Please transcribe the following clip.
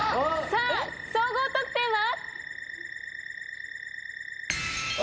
さあ総合得点は。